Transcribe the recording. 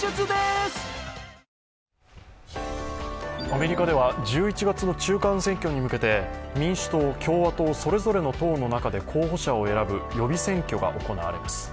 アメリカでは１１月の中間選挙に向けて、民主党、共和党それぞれの党の中で候補者を選ぶ、予備選挙が行われます。